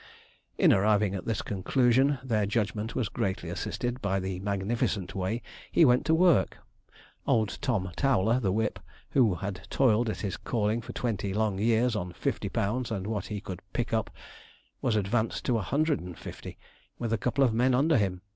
In arriving at this conclusion, their judgement was greatly assisted by the magnificent way he went to work. Old Tom Towler, the whip, who had toiled at his calling for twenty long years on fifty pounds and what he could 'pick up,' was advanced to a hundred and fifty, with a couple of men under him.